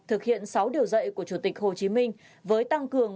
thực hiện sáu điều dạy của chủ tịch hồ chí minh với tăng cường